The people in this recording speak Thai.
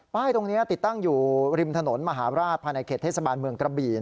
ตรงนี้ติดตั้งอยู่ริมถนนมหาราชภายในเขตเทศบาลเมืองกระบี่